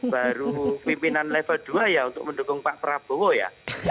baru pimpinan level dua ya untuk mendukung pak prabowo ya